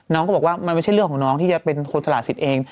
น้องก็บอกว่ามันไม่ใช่เรื่องของน้องที่จะเป็นคนสละสิทธิ์เอง